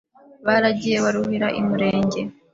Baragiye baruhira imurenge